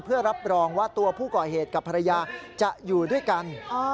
เพื่อรับรองว่าตัวผู้ก่อเหตุกับภรรยาจะอยู่ด้วยกัน